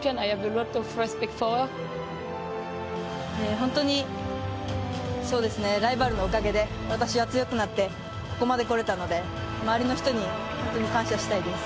本当にライバルのおかげで私は強くなってここまでこれたので周りの人に本当に感謝したいです。